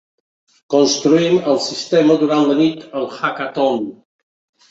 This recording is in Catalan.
Construïm el sistema durant la nit al Hackathon.